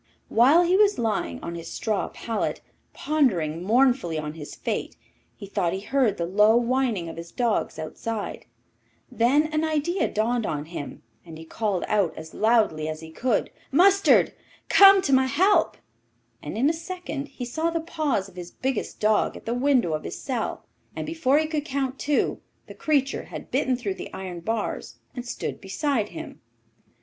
While he was lying on his straw pallet, pondering mournfully on his fate, he thought he heard the low whining of his dogs outside; then an idea dawned on him, and he called out as loudly as he could, 'Mustard, come to my help,' and in a second he saw the paws of his biggest dog at the window of his cell, and before he could count two the creature had bitten through the iron bars and stood beside him.